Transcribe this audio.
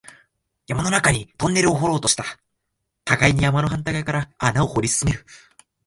山の中にトンネルを掘ろうとした、互いに山の反対側から穴を掘り進める